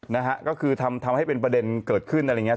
นะฮะก็คือทำให้เป็นประเด็นเกิดขึ้นอะไรอย่างเงี้